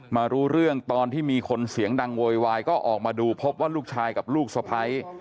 มารู้เรื่องตอนที่มีคนเสียงดังโวยวายก็ออกมาดูพบว่าลูกชายกับลูกสะพ้าย